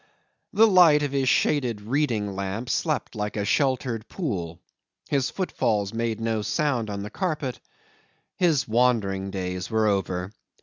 The light of his shaded reading lamp slept like a sheltered pool, his footfalls made no sound on the carpet, his wandering days were over.